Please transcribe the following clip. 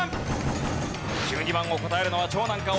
１２番を答えるのは長男か？